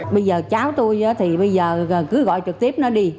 bây giờ cháu tôi thì bây giờ cứ gọi trực tiếp nó đi